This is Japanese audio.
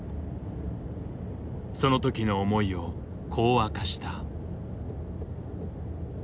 その時の思いをこう明かした。